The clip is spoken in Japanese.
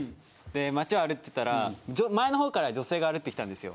街を歩いてたら前の方から女性が歩いて来たんですよ。